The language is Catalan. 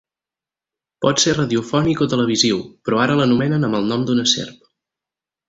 Pot ser radiofònic o televisiu, però ara l'anomenen amb el nom d'una serp.